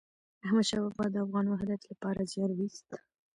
احمد شاه بابا د افغان وحدت لپاره زیار وایست.